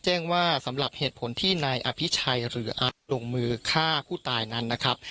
แจ้งว่าสำหรับเหตุผลที่นายอภิชัยหรืออาร์ตลงมือฆ่าผู้ตายนั้นนะครับ